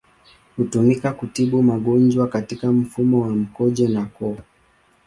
Hutumika kutibu magonjwa katika mfumo wa mkojo na koo.